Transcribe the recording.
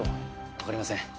わかりません。